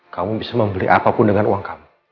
kamu bisa membeli apapun dengan uang kami